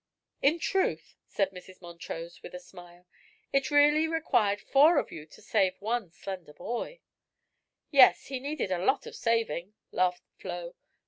"In truth," said Mrs. Montrose with a smile, "it really required four of you to save one slender boy." "Yes, he needed a lot of saving," laughed Flo.